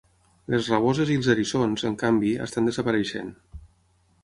Les raboses i els eriçons, en canvi, estan desapareixent.